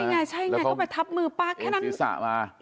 ใช่ไงใช่ไงก็ไปทับมือป้าแค่นั้น